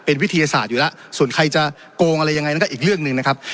เป็นวิทยาศาสตร์อยู่แล้วส่วนใครจะโกงอะไรยังไงนั่นก็อีกเรื่องหนึ่งนะครับ